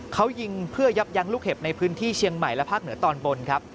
เขายิงเพื่อยับยั้งลูกเห็บในพื้นที่เชียงใหม่และภาคเหนือตอนบนครับ